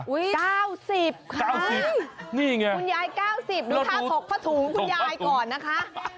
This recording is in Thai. อุ้ย๙๐ค่ะคุณยาย๙๐ดูถ้าถกผัดถุงคุณยายก่อนนะคะ